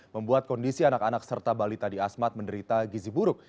membuat kondisi anak anak serta balita di asmat menderita gizi buruk